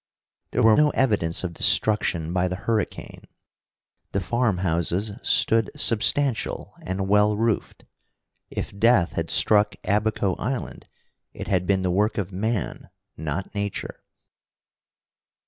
There were no evidence of destruction by the hurricane. The farmhouses stood substantial and well roofed. If death had struck Abaco Island, it had been the work of man, not Nature.